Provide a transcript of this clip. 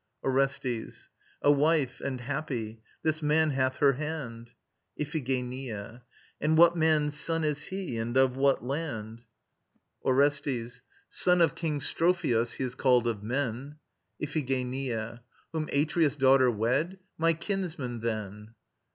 ORESTES. A wife and happy: this man hath her hand. IPHIGENIA. And what man's son is he, and of what land? ORESTES. Son of King Strophios he is called of men. IPHIGENIA. Whom Atreus' daughter wed? My kinsman then.